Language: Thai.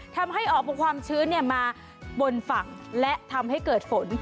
ทำให้ออกความชื้นมาบนฝั่งและทำให้เกิดฝน